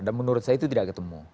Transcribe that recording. dan menurut saya itu tidak ketemu